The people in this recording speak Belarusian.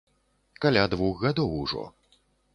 Каля двух гадоў ужо.